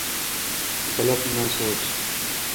گلت نا سوچ.